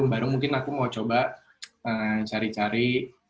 bareng mungkin aku mau coba cari cari